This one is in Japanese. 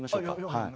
はい。